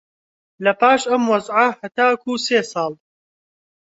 لەپاش ئەم وەزعە هەتاکوو سێ ساڵ